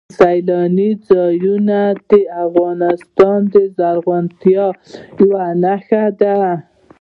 سیلاني ځایونه د افغانستان د زرغونتیا یوه نښه ده.